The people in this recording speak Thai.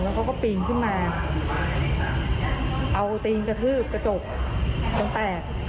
แล้วก็ปีนขึ้นมาเอาตีนกระทืบกระจกต้องแตก